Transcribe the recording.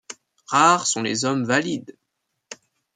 Rares sont les hommes valides.